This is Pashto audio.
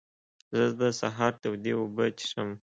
زه د سهار تودې اوبه څښم.